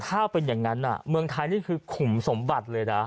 ถ้าเป็นอย่างนั้นเมืองไทยนี่คือขุมสมบัติเลยนะ